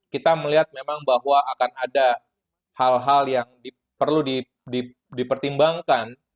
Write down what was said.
kita melihat memang bahwa akan ada hal hal yang perlu dipertimbangkan